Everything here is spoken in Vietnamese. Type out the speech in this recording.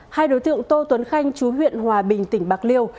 hai đối tượng tô tuấn khanh chú huyện hòa bình tỉnh bạc liêu